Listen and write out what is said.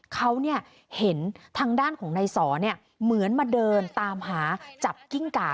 เขาเห็นทางด้านของนายสอเหมือนมาเดินตามหาจับกิ้งก่า